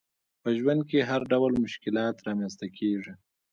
په ژوند کي هرډول مشکلات رامنځته کیږي